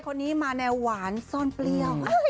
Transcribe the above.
คนนี้มาแนวหวานซ่อนเปรี้ยว